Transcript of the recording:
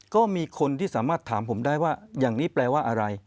ก็มีคนที่สามารถถามผมได้ว่าอย่างนี้แปลว่าอะไร